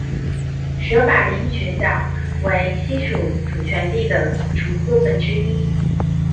舍法林群岛为西属主权地的组成部分之一。